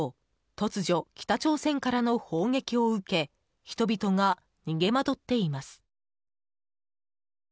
突如、北朝鮮からの砲撃を受け人々が逃げ惑っています。